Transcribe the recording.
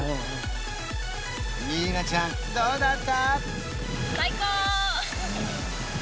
ニーナちゃんどうだった？